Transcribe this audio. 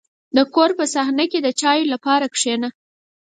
• د کور په صحنه کې د چایو لپاره کښېنه.